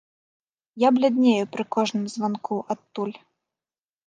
Я бляднею пры кожным званку адтуль.